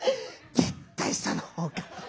絶対その方がいい。